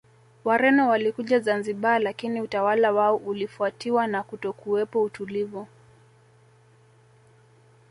Wareno walikuja Zanzibar lakini utawala wao ulifuatiwa na kutokuwepo utulivu